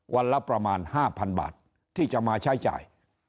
วันละประมาณ๕๐๐๐บาทที่จะมาใช้จ่าย